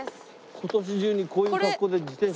今年中にこういう格好で自転車。